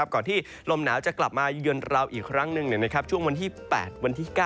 ก่อนที่ลมหนาวจะกลับมาเยือนเราอีกครั้งหนึ่งช่วงวันที่๘วันที่๙